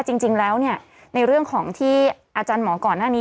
จริงแล้วในเรื่องของที่อาจารย์หมอก่อนหน้านี้